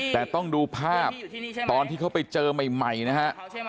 แต่ต้องดูภาพตอนที่เขาไปเจอใหม่นะฮะ